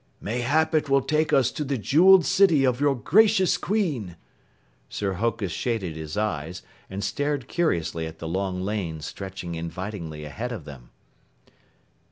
"Mayhap it will take us to the jeweled city of your gracious Queen." Sir Hokus shaded his eyes and stared curiously at the long lane stretching invitingly ahead of them.